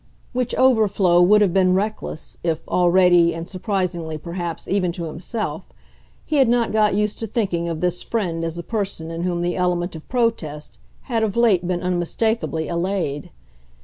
which overflow would have been reckless if, already, and surprisingly perhaps even to himself, he had not got used to thinking of this friend as a person in whom the element of protest had of late been unmistakably allayed.